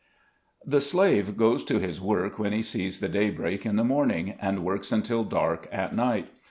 JHE slave goes to his work when he sees the daybreak in the morning, and works until dark at night.